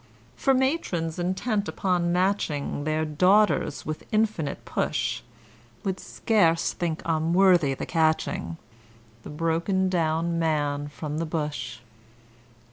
For matrons intent upon matching Their daughters with infinite push, Would scarce think him worthy the catching, The broken down man from the bush.